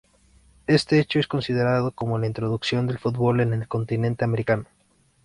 Este hecho es considerado como la introducción del fútbol en el continente americano.